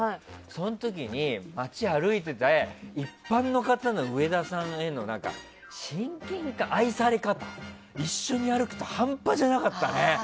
その時に街を歩いていて一般の方の上田さんへの親近感愛され方が一緒に歩くと半端じゃなかったね。